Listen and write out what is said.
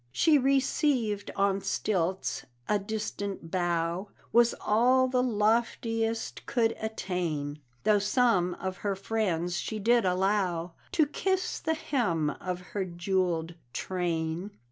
She received on stilts; a distant bow Was all the loftiest could attain Though some of her friends she did allow To kiss the hem of her jewelled train.